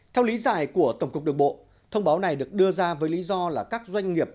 theo lý giải của tổng cục đường bộ thông báo này được đưa ra với lý do là các doanh nghiệp